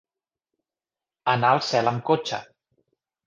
Anar al cel amb cotxe.